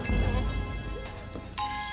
kayak gitu ah